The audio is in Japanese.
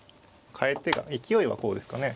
かえてが勢いはこうですかね。